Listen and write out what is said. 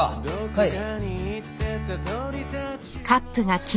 はい。